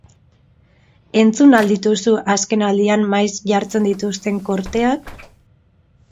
Entzun al dituzu azken aldian maiz jartzen dituzten korteak?